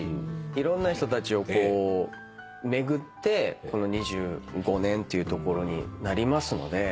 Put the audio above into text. いろんな人たちをこう巡ってこの２５年というところになりますので。